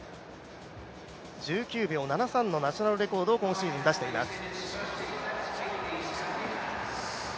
１９秒７３のナショナルレコードを今シーズン出しています。